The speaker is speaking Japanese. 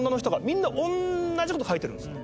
みんな同じ事書いてるんです。